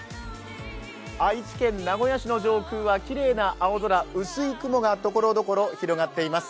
愛知県名古屋市の上空はきれいな青空、薄い雲が所々広がっています。